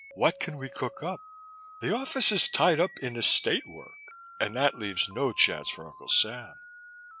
What can we cook up? The office is tied up in estate work and that leaves no chance for Uncle Sam.